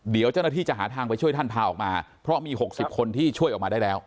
เดี๋ยวเจ้าหน้าที่จะหาทางไปช่วยท่านพาออกมาเพราะมี๖๐คนที่ช่วยออกมาได้แล้ว